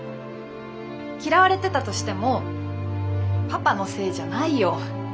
嫌われてたとしてもパパのせいじゃないよ。